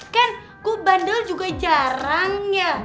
kan gue bandel juga jarangnya